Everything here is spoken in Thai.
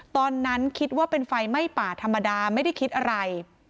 ตอนนั้นคิดว่าเป็นไฟไหม้ป่าธรรมดาไม่ได้คิดอะไร